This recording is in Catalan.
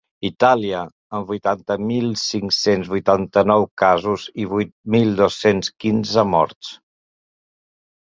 Itàlia, amb vuitanta mil cinc-cents vuitanta-nou casos i vuit mil dos-cents quinze morts.